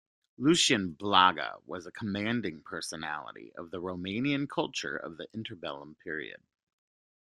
Lucian Blaga was a commanding personality of the Romanian culture of the interbellum period.